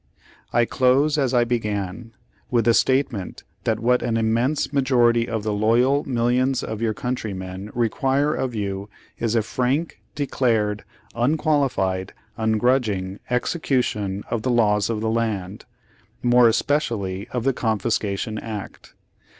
"I close as I began, with the statement that what an immense majority of the loyal millions of your country men require of you is a frank, declared, unqualified, un grudging execution of the laws of the land, more especially of the Confiscation Act.